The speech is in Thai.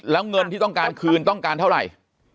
แล้วเงินที่ต้องการคืนต้องการเท่าไหร่